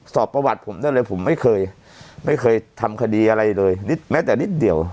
สอบประวัติผมได้เลยผมไม่เคยไม่เคยทำคดีอะไรเลยนิดแม้แต่นิดเดียว